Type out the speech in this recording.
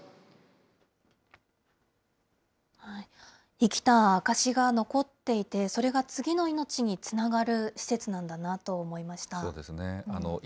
生きた証しが残っていて、それが次の命につながる施設なんだなと思いました。